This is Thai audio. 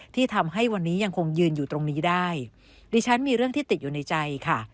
ที่ทำให้วันนี้ยังคงยืนอยู่ตรงนี้ได้ดิฉันมีเรื่องที่ติดอยู่ในใจค่ะ